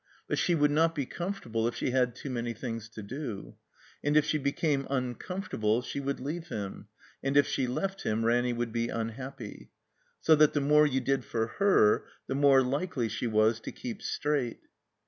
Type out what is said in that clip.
But she wovild not be comfortable if she had too many things to do; and if she became uncomfortable ^e would leave him; and if she left him Ranny would be unhappy. So that the more you did for her the more likely she was to keep straight.